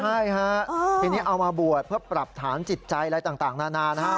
ใช่ฮะทีนี้เอามาบวชเพื่อปรับฐานจิตใจอะไรต่างนานานะฮะ